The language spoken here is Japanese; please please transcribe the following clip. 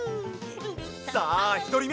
さあひとりめ！